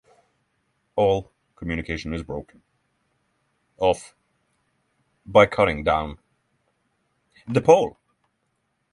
All communication is broken off by cutting down the pole.